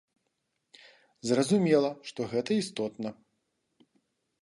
Зразумела, што гэта істотна.